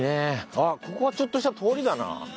あっここはちょっとした通りだな。